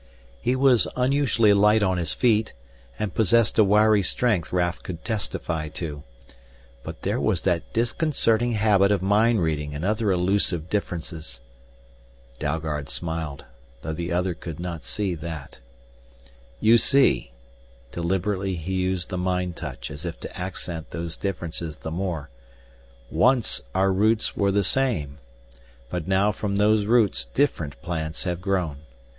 He was unusually light on his feet and possessed a wiry strength Raf could testify to. But there was that disconcerting habit of mind reading and other elusive differences. Dalgard smiled, though the other could not see that. "You see," deliberately he used the mind touch as if to accent those differences the more, "once our roots were the same, but now from these roots different plants have grown.